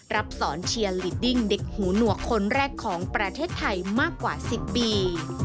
สอนเชียร์ลีดดิ้งเด็กหูหนวกคนแรกของประเทศไทยมากกว่า๑๐ปี